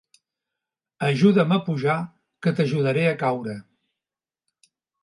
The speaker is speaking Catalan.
Ajuda'm a pujar que t'ajudaré a caure.